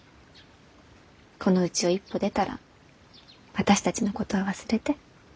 このうちを一歩出たら私たちのことは忘れて。